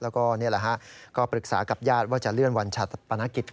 แล้วก็นี่แหละฮะก็ปรึกษากับญาติว่าจะเลื่อนวันชาปนกิจ